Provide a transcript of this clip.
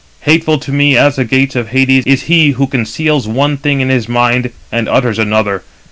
Hateful to me as the gates of Hades is he who conceals one thing in his mind and utters another.